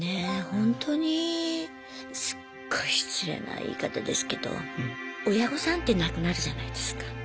ほんとにすっごい失礼な言い方ですけど親御さんって亡くなるじゃないですか。